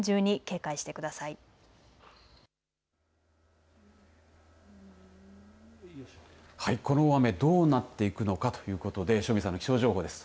はい、この大雨どうなっていくのかということで塩見さんの気象情報です。